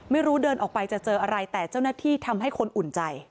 เดินออกไปจะเจออะไรแต่เจ้าหน้าที่ทำให้คนอุ่นใจ